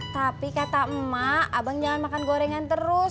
tapi kata emak abang jangan makan gorengan terus